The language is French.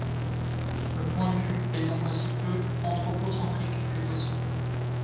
Le point de vue est donc aussi peu anthropocentrique que possible.